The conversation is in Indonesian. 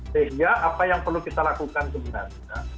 sehingga apa yang perlu kita lakukan sebenarnya